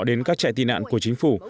đến các trại tị nạn của chính phủ